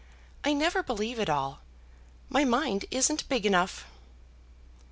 I never believe it all. My mind isn't big enough."